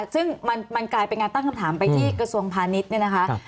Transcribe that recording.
ซึ่งมันกลายเป็นการตั้งคำถามไปที่กระทรวงพาณิชย์เนี่ยนะคะ